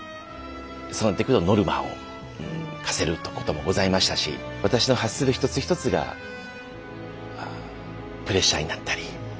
そうなってくるとノルマを課せることもございましたし私の発する一つ一つがプレッシャーになったり